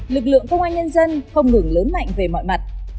lực lượng công an nhân dân không ngừng lớn mạnh về mọi mặt